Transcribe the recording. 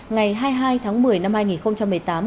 ngày hai mươi hai tháng một mươi năm hai nghìn một mươi tám